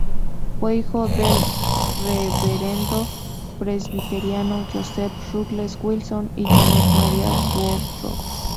Fue hijo del reverendo presbiteriano Joseph Ruggles Wilson y Janet Mary Woodrow.